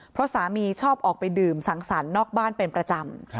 เพราะสามีชอบออกไปดื่มสังสรรค์นอกบ้านเป็นประจำ